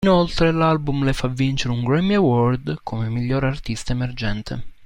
Inoltre l'album le fa vincere un Grammy Award come miglior artista emergente.